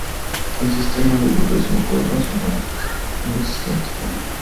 El sistema de educación fue más o menos inexistente.